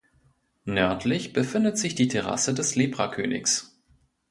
Nördlich befindet sich die Terrasse des Lepra-Königs.